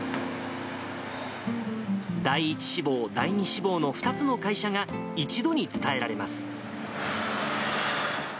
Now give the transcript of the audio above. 第１志望、第２志望、２つの会社が一度に伝えられます。